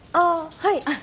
はい。